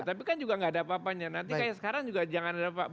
tapi kan juga nggak ada apa apanya nanti kayak sekarang juga jangan ada apa apa